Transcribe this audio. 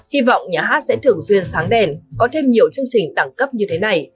hy vọng nhà hát sẽ thường xuyên sáng đèn có thêm nhiều chương trình đẳng cấp như thế này